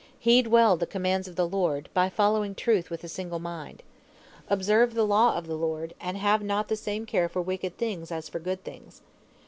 Heed well the commands of the Lord, by following truth with a single mind. Observe the law of the Lord, and have not the same care for wicked things as for good things.